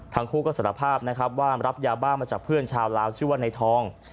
ทั้งคู่ก็สารภาพนะครับว่ารับยาบ้ามาจากเพื่อนชาวลาวชื่อว่าในทอง